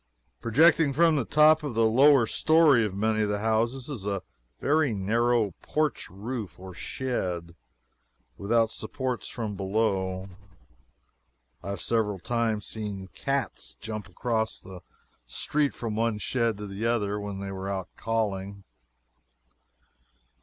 Projecting from the top of the lower story of many of the houses is a very narrow porch roof or shed, without supports from below; and I have several times seen cats jump across the street from one shed to the other when they were out calling.